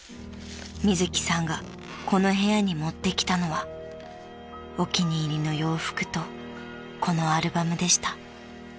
［みずきさんがこの部屋に持ってきたのはお気に入りの洋服とこのアルバムでした］